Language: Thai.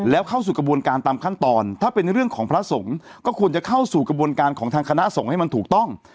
แล้วเข้าสู่กระบวนการตามขั้นตอนถ้าเป็นเรื่องของพระสงฆ์ก็ควรจะเข้าสู่กระบวนการของทางคณะสงฆ์ให้มันถูกต้อง